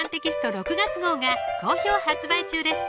６月号が好評発売中です